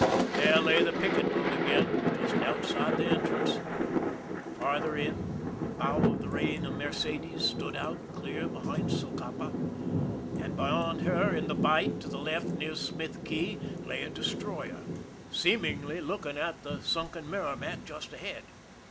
There lay the picket boat again, just out side the entrance. Farther in, the bow of the Beina Mercedes stood out clear behind Socapa ; and be yond her, in the bight to the left near Smith Cay, lay a destroyer, seemingly looking at the sunken Merrimac just ahead.